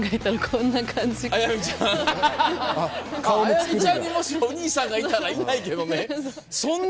あやみちゃんにもしお兄さんがいたらいないけどね。